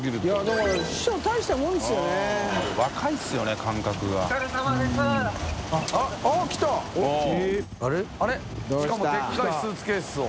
匹Δ靴拭しかもでかいスーツケースを。